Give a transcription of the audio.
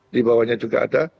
di bawahnya juga ada